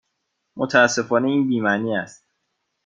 متاسفانه این بی معنی است.